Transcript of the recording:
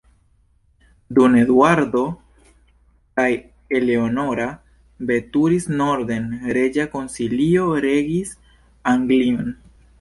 Dum Eduardo kaj Eleanora veturis norden, reĝa konsilio regis Anglion.